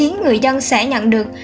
người dân sẽ nhận được